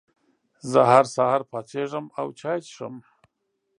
زه هر سهار پاڅېږم او چای څښم.